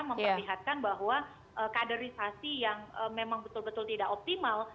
memperlihatkan bahwa kaderisasi yang memang betul betul tidak optimal